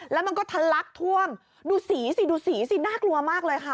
แล้วมันก็ทะลักท่วมดูสีสิดูสีสิน่ากลัวมากเลยค่ะ